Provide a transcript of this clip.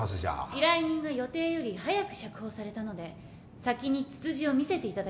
依頼人が予定より早く釈放されたので先にツツジを見せていただきました。